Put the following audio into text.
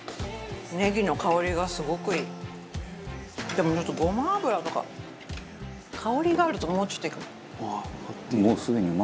でもちょっとごま油とか香りがあるともうちょっといいかも。